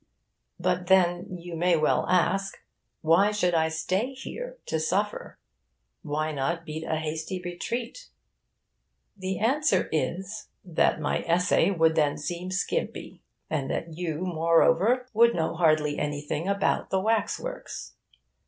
But then, you may well ask, why should I stay here, to suffer? why not beat a hasty retreat? The answer is that my essay would then seem skimpy; and that you, moreover, would know hardly anything about the wax works.